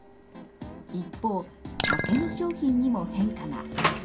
一方、竹の商品にも変化が。